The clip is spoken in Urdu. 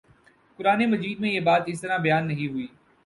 قرآنِ مجید میں یہ بات اس طرح بیان نہیں ہوئی